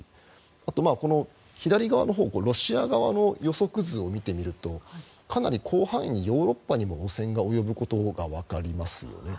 あと、左側のほうロシア側の予測図を見てみるとかなり広範囲にヨーロッパにも汚染が及ぶことがわかりますよね。